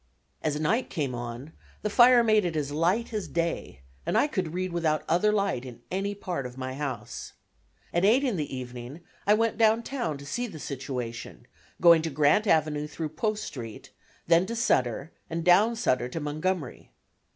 As night came on the fire made it as light as day, and I could read without other light in any part of my house. At 8 in the evening. I went downtown to see the situation, going to Grant Avenue through Post Street, then to Sutter, and down Sutter to Montgomery.